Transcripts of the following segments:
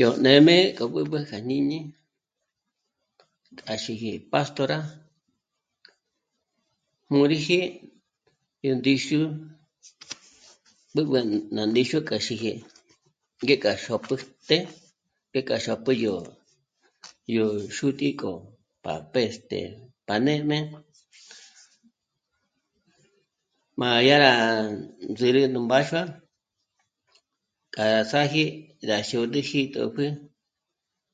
"Yó nê'me k'o b'ǚb'ü kja jñíni k'a xíji Pastora m'ǔriji yó ndíxu... b'ǚb'ü ná ndíxu k'a xíji, ngéka xôt'pjüte ngéka xôt'pjü yó xútǐ'i k'o pa pêst'e pa nê'me... má yá rá ndzǜrü nú mbáxua k'a rá s'áji rá dyôd'üji tjòpjü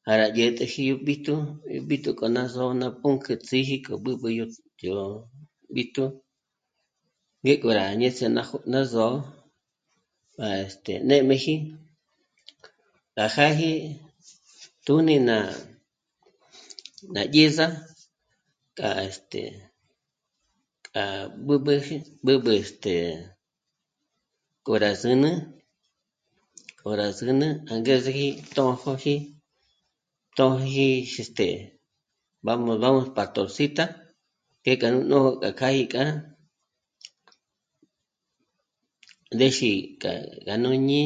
para dyä̀t'äji ó bíjtu, ó bíjtu k'o ná só'o ná pǔnk'ü ts'íji k'o b'ǚb'ü k'o yó b'íjtu ngéko rá ñéts'e ná jó'o, ná zó'o para este... nê'meji rá jâji tùni ná... ná dyèza k'a... este... k'a b'ǚb'üji, b'ǚb'ü... este... k'o rá zǚn'ü, k'o rá zǚn'ü angezeji tǒjoji, tǒjoji este... ""Vamos, vamos, pastorcita"" ngéka nú já gí kja ríxi kja ngáñi'i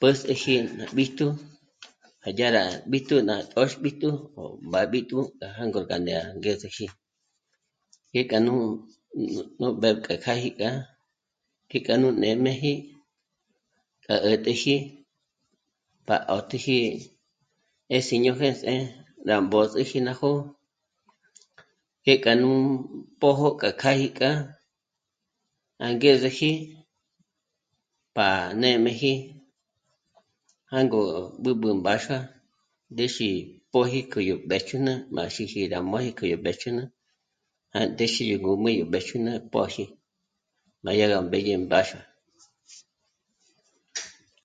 pä̀s'äji ná b'íjtu má yá rá b'íjtu ná tö́xb'íjtu ó mbàb'íjtu jângor gá ndés'eji, ngéka nú mbépk'a k'âji yá jík'a nú nê'meji k'a 'ä̀t'äji pa 'ä̀t'äji é síño jêndze rá mbós'iji ná nójo, jé k'a nú... pójo k'a kjâ'a í k'a angezeji pa nê'meji jângo b'ǚb'ü mbáxua ndéxi póji k'o yó mbéjch'ün'a k'a xíji rá móji k'o yó mbéjch'ün'a à ndéxi yó ngum'ü yó mbéjch'ün'a póji, má yá gá mbèdye nú mbáxua"